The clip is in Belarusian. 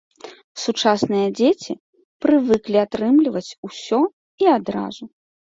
Сучасныя дзеці прывыклі атрымліваць усё і адразу.